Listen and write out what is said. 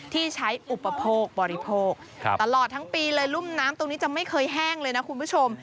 ที่ใช้อุปโภคบริโภคตลอดทั้งปีเลยรุ่มน้ำตรงนี้จะไม่เคยแห้งเลยนะคุณผู้ชม